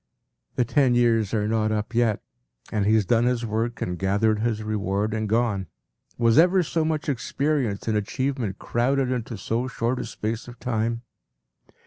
” The ten years are not up yet, and he has done his work and gathered his reward and gone. Was ever so much experience and achievement crowded into so short a space of time?